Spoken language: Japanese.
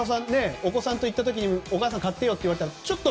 お子さんと行ったときにお母さん、買ってよって言われたらちょっと。